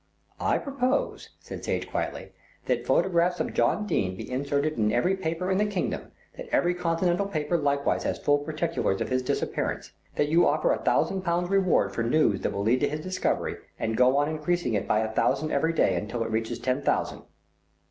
"I propose," said Sage quietly, "that photographs of John Dene be inserted in every paper in the kingdom, that every continental paper likewise has full particulars of his disappearance. That you offer a thousand pounds reward for news that will lead to his discovery, and go on increasing it by a thousand every day until it reaches ten thousand."